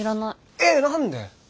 えっ何で！